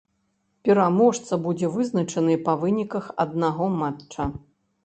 Пераможца будзе вызначаны па выніках аднаго матча.